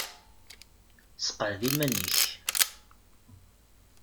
Sseqɛed iman-nnek.